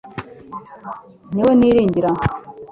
ni uwo niringira